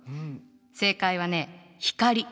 正解はね光。